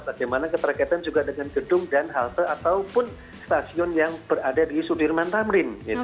bagaimana keterkaitan juga dengan gedung dan halte ataupun stasiun yang berada di sudirman tamrin